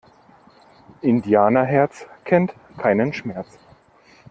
Indianerherz kennt keinen Schmerz!